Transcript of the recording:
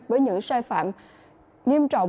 với những sai phạm nghiêm trọng